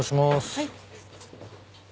はい。